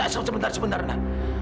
sebentar sebentar nak